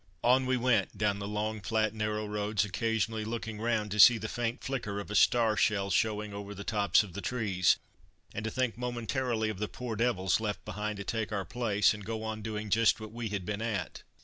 On we went down the long, flat, narrow roads, occasionally looking round to see the faint flicker of a star shell showing over the tops of the trees, and to think momentarily of the "poor devils" left behind to take our place, and go on doing just what we had been at.